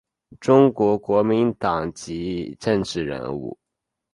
中国国民党籍政治人物。